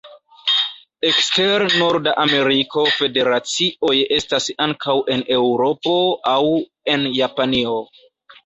Ekster Norda Ameriko federacioj estas ankaŭ en Eŭropo aŭ en Japanio.